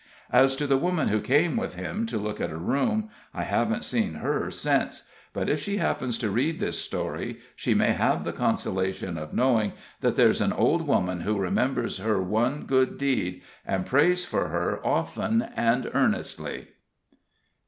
As to the woman who came with him to look at a room, I haven't seen her since; but if she happens to read this story, she may have the consolation of knowing that there's an old woman who remembers her one good deed, and prays for her often and earnestly.